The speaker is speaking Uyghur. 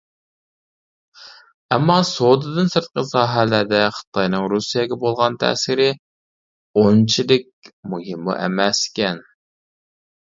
ئەمما، سودىدىن سىرتقى ساھەلەردە خىتاينىڭ رۇسىيەگە بولغان تەسىرى ئۇنچىلىك مۇھىممۇ ئەمەس ئىكەن.